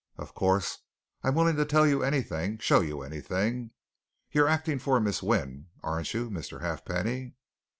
Of course, I'm willing to tell you anything, show you anything. You're acting for Miss Wynne, aren't you, Mr. Halfpenny?"